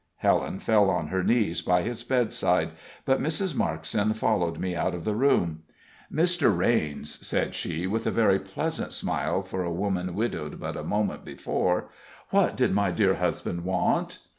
Helen fell on her knees by his bedside, but Mrs. Markson followed me out of the room. "Mr. Raines," said she, with a very pleasant smile for a woman widowed but a moment before, "what did my dear husband want?"